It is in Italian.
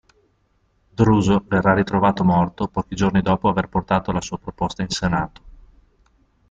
Druso verrà ritrovato morto pochi giorni dopo aver portato la sua proposta in Senato.